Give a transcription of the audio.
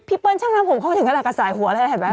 พี่เปิ้ลฉันทำผมเขาถึงกราศาสตร์หัวแล้วเห็นไหม